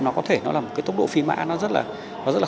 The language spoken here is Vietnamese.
nó có thể nó là một cái tốc độ phi mã nó rất là